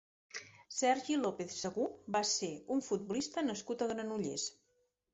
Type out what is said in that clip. Sergi López Segú va ser un futbolista nascut a Granollers.